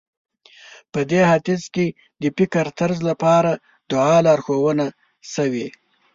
په دې حديث کې د فکرطرز لپاره دعا لارښوونه شوې.